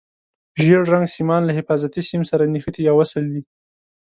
ژېړ رنګ سیمان له حفاظتي سیم سره نښتي یا وصل دي.